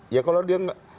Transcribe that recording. ya kalau dia nggak